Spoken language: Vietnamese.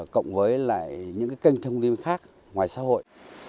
cộng với lại những kênh thông tin khác ngoài xã hội